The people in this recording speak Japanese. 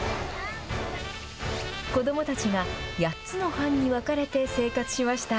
子どもたちが８つの班に分かれて生活しました。